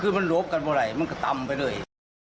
คือมันหลบกันไปเลยมันก็ตำไปเลย